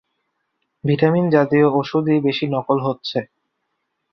Vitamin জাতীয় ওষুধই বেশি নকল হচ্ছে।